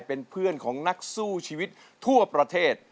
เป็นเพื่อนของนักสู้ชีวิตทั่วประเทศ